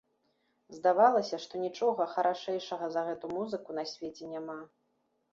Здавалася, што нічога харашэйшага за гэту музыку на свеце няма.